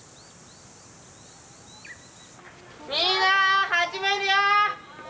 みんな始めるよ！